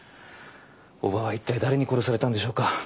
おばはいったい誰に殺されたんでしょうか？